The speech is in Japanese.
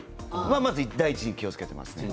それを第一に気をつけています。